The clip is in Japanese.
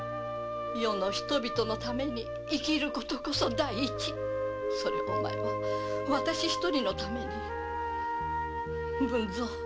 世の人々のために生きる事こそ第一それをお前は私一人のために文蔵